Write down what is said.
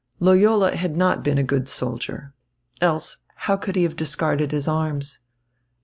Loyola had not been a good soldier. Else, how could he have discarded his arms?